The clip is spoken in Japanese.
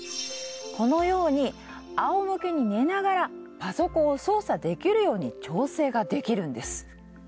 このように仰向けに寝ながらパソコンを操作できるように調整ができるんです。